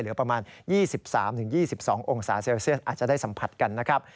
เหลือประมาณ๒๓๒๒องศาเซลเซียสอาจจะได้สัมผัสกันนะครับ